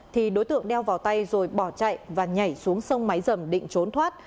thì đối tượng đeo vào tay rồi bỏ chạy và nhảy xuống sông máy dầm định trốn thoát